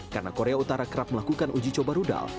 karena korea utara kerap melakukan uji coba rudal